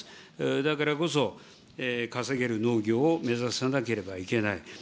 だからこそ、稼げる農業を目指さなければいけない。